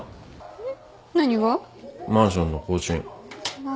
えっ？